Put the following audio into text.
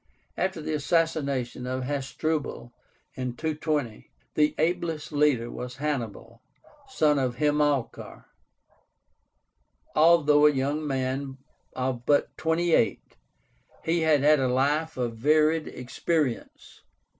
After the assassination of Hasdrubal, in 220, the ablest leader was Hannibal, son of Hamilcar. Although a young man of but twenty eight, he had had a life of varied experience.